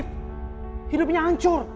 afid hidupnya ancur